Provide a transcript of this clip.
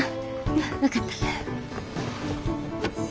分かった。